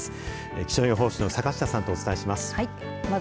気象予報士の坂下さんとお伝えします。